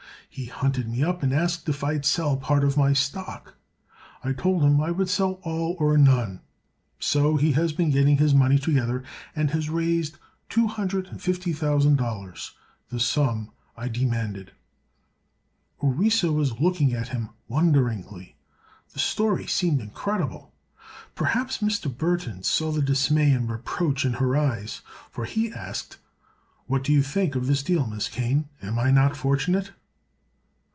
He hunted me up and asked if I'd sell part of my stock. I told him I would sell all or none. So he has been getting his money together and has raised two hundred and fifty thousand dollars—the sum I demanded." Orissa was looking at him wonderingly. The story seemed incredible. Perhaps Mr. Burthon saw the dismay and reproach in her eyes, for he asked: "What do you think of this deal, Miss Kane? Am I not fortunate?"